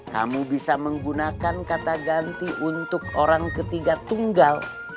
kamu bisa menggunakan kata ganti untuk orang ketiga tunggal